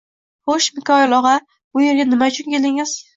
Xo`sh, Mikoyil og`a, bu erga nima uchun keldingiz